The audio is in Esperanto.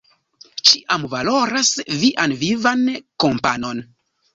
Ĉiam valoras vian vivan kompanon.